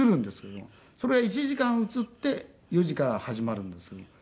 それ１時間映って４時から始まるんですけども。